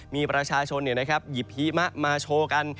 มีประชาชนเนี่ยนะครับหยิบหิมะมาโชว์กัน